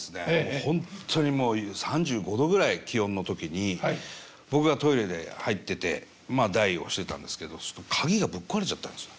本当にもう３５度ぐらい気温の時に僕がトイレで入っててまあ大をしてたんですけど鍵がぶっ壊れちゃったんですよ。